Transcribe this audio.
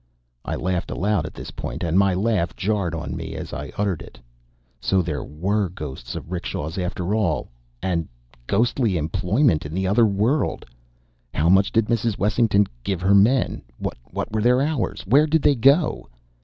I laughed aloud at this point; and my laugh jarred on me as I uttered it. So there were ghosts of 'rickshaws after all, and ghostly employments in the other world! How much did Mrs. Wessington give her men? What were their hours? Where did they go?